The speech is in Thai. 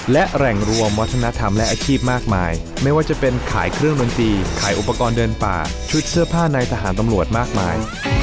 และแหล่งรวมวัฒนธรรมและอาชีพมากมายไม่ว่าจะเป็นขายเครื่องดนตรีขายอุปกรณ์เดินป่าชุดเสื้อผ้าในทหารตำรวจมากมาย